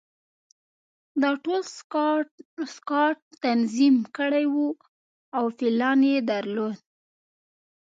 دا ټول سکاټ تنظیم کړي وو او پلان یې درلود